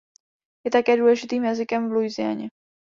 Je také důležitým jazykem v Louisianě.